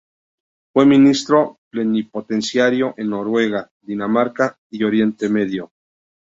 Fue ministro plenipotenciario en Noruega, Dinamarca y Oriente Medio.